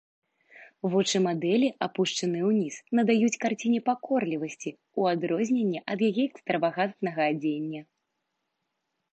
Вочы мадэлі, апушчаныя ўніз, надаюць карціне пакорлівасці, у адрозненне ад яе экстравагантнага адзення.